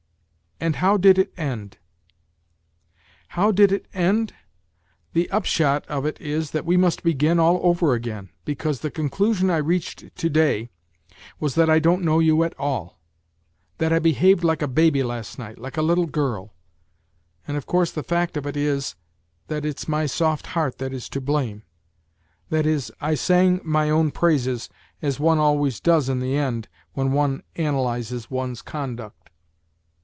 " And how did it end ?"" How did it end ? The upshot of it is that we must begin all over again, because the conclusion I reached to day was that I don't know you at" all; that I behaved like a baby last night, like a little girl ; and, of course, the fact of it is, that it's my soft heart that is to blame that is, I sang my own praises, as one always does in the end when one analyses one's conduct.